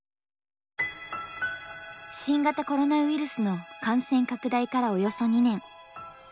新型コロナウイルスの感染拡大からおよそ２年。